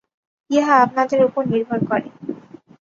ইহা আপনাদের উপর নির্ভর করে।